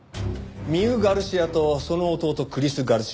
ミウ・ガルシアとその弟クリス・ガルシア。